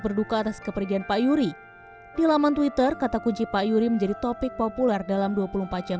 berduka atas kepergian pak yuri di laman twitter kata kunci pak yuri menjadi topik populer dalam dua puluh empat jam